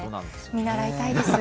見習いたいです。